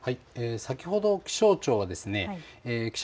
先ほど、気象庁はですね